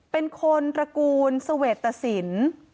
เป็นคนตระกูลเสวตสิน